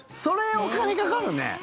それ、お金かかるね。